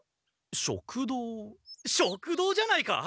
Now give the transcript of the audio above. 食堂食堂じゃないか？